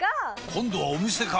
今度はお店か！